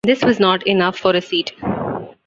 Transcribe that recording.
This was not enough for a seat.